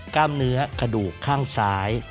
กล้ามเนื้อกระดูกข้างซ้าย